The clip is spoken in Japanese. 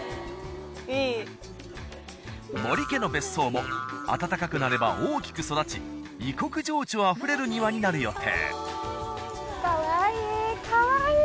森家の別荘も暖かくなれば大きく育ち異国情緒あふれる庭になる予定。